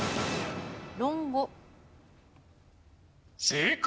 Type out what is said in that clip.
正解！